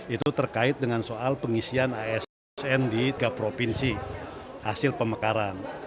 itu terkait dengan soal pengisian asn di tiga provinsi hasil pemekaran